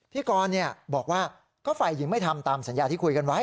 พี่กรบอกว่าก็ฝ่ายหญิงไม่ทำตามสัญญาที่คุยกันไว้